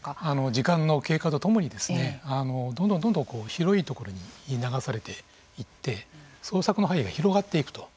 時間の経過と共にですねどんどん広い所に流されていって捜索の範囲が広がっていくと。